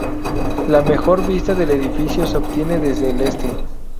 La mejor vista del edificio se obtiene desde el este.